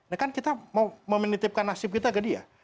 nah kan kita mau menitipkan nasib kita ke dia